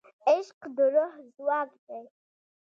عشق د روح ځواک دی.